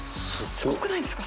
すごくないですか。